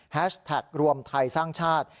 แท็กรวมไทยสร้างชาติ